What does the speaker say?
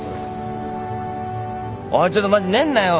おいちょっとマジ寝んなよ。